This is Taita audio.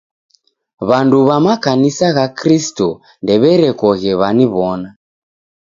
W'andu w'a makanisa gha Kristo ndew'erekoghe w'aniw'ona.